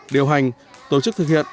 điều hành tổ chức thực hiện